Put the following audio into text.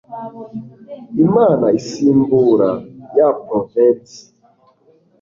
Inama isimbura ya Provensi